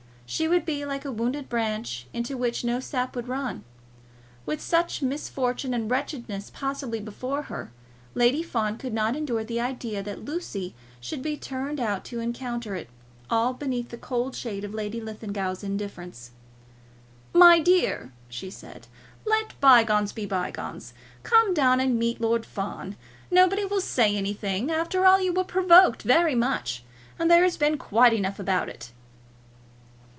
She would be like a wounded branch, into which no sap would run. With such misfortune and wretchedness possibly before her, Lady Fawn could not endure the idea that Lucy should be turned out to encounter it all beneath the cold shade of Lady Linlithgow's indifference. "My dear," she said, "let bygones be bygones. Come down and meet Lord Fawn. Nobody will say anything. After all, you were provoked very much, and there has been quite enough about it."